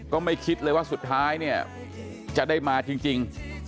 ก็ไม่คิดเลยว่าสุดท้ายเนี่ยจะได้มาจริง